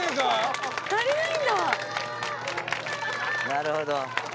なるほど。